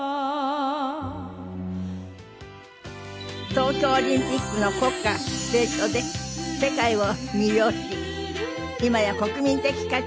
東京オリンピックの国歌斉唱で世界を魅了し今や国民的歌手のＭＩＳＩＡさん